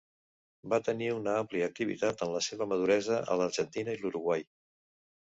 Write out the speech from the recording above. Va tenir una àmplia activitat en la seva maduresa a l'Argentina i l'Uruguai.